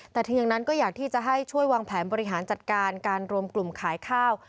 แต่ถึงอย่างนั้นก็อยากที่จะให้ช่วยวางแผนบริหารจัดการการรวมกลุ่มขายข้าว